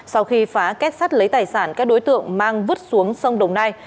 sau khi phá kết sắt lấy tài sản các đối tượng mang vứt xuống sông đồng nai